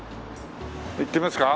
行ってみますか？